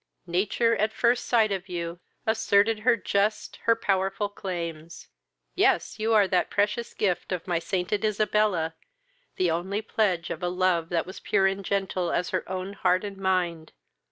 Nature, at first sight of you, asserted her just, her powerful claims: yes, you are the precious gift of my sainted Isabella, the only pledge of a love that was pure and gentle as her own heart and mind!